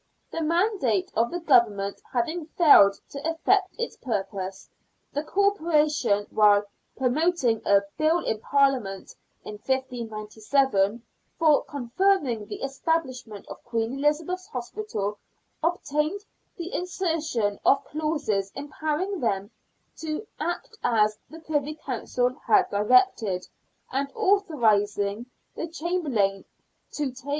The mandate of the Government having failed to effect its purpose, the Corporation, whilst promoting a Bill in Parliament in 1597 for confirming the establishment of Queen Elizabeth's Hospital, obtained the insertion of clauses empowering them to act|as the Privy Council had directed, and authorising the Chamberlain to take 8 98 SIXTEENTH CENTURY BRISTOL.